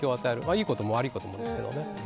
良いことも悪いこともですけどね。